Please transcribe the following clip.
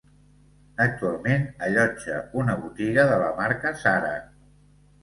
Actualment allotja una botiga de la marca Zara.